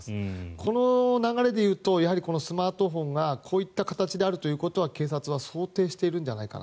この流れでいうとやはり、スマートフォンがこういった形であるということは警察は想定しているんじゃないかな。